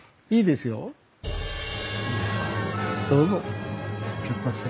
すみません。